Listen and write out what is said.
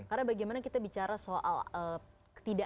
karena bagaimana kita bicara soal tidak adanya kebocoran akar